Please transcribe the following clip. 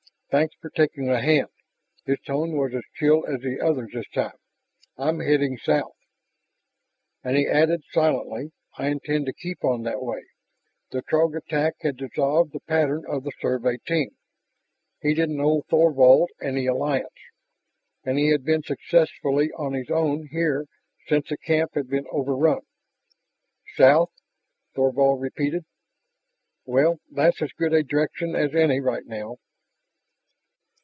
"Thanks for taking a hand." His tone was as chill as the other's this time. "I'm heading south...." And, he added silently, I intend to keep on that way. The Throg attack had dissolved the pattern of the Survey team. He didn't owe Thorvald any allegiance. And he had been successfully on his own here since the camp had been overrun. "South," Thorvald repeated. "Well, that's as good a direction as any right now."